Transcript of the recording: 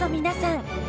皆さん。